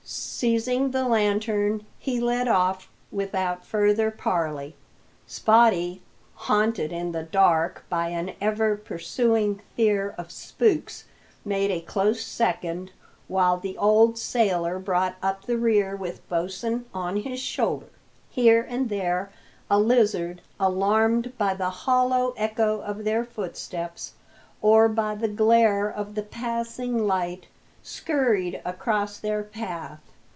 Seizing the lantern, he led off without further parley. Spottie haunted in the dark by an ever pursuing fear of spooks made a close second; while the old sailor brought up the rear with Bosin on his shoulder. Here and there a lizard, alarmed by the hollow echo of their footsteps, or by the glare of the passing light, scurried across their path.